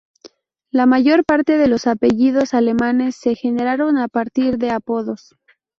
La mayor parte de los apellidos alemanes se generaron a partir de apodos.